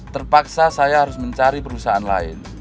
terpaksa saya harus mencari perusahaan lain